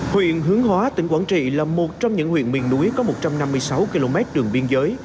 huyện hướng hóa tỉnh quảng trị là một trong những huyện miền núi có một trăm năm mươi sáu km đường biên giới